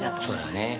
そうだね。